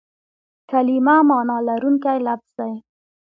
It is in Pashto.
کلیمه مانا لرونکی لفظ دئ.